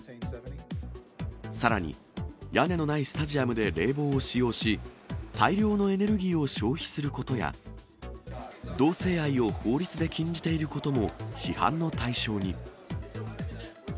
さらに、屋根のないスタジアムで冷房を使用し、大量のエネルギーを消費することや、同性愛を法律で禁じていることも批判の対象に。